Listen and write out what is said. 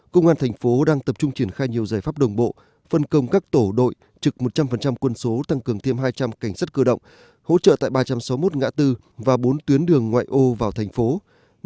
công an thành phố đang tập trung triển khai nhiều giải pháp đồng bộ phân công các tổ đội trực một trăm linh quân số tăng cường thêm hai trăm linh cảnh sát cơ động hỗ trợ tại ba trăm sáu mươi một ngã tư và bốn tuyến đường ngoại ô vào thành phố